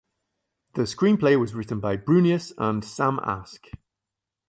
The screenplay was written by Brunius and Sam Ask.